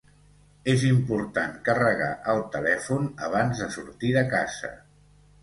És important carregar el telèfon abans de sortir de casa.